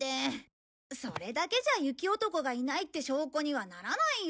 それだけじゃ雪男がいないって証拠にはならないよ。